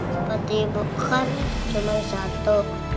sepatu ibu kan cuma satu